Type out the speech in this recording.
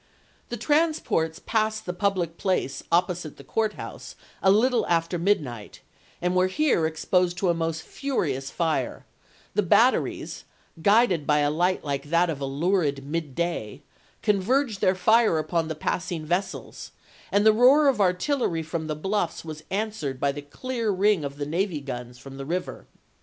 The transports passed the public place opposite the court house a little after mid night, and were here exposed to a most furious fire ; the batteries, guided by a light like that of a lurid midday, converged their fire upon the passing vessels, and the roar of artillery from the bluffs was answered by the clear ring of the navy guns from the river.